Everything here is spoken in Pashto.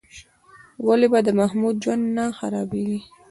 ولې به د محمود ژوند نه خرابېږي؟